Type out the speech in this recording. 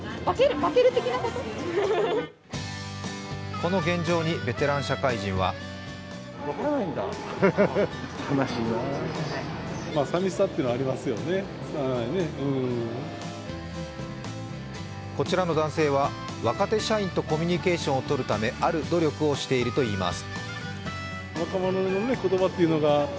この現状にベテラン社会人はこちらの男性は、若手社員をコミュニケーションをとるためある努力をしているといいます。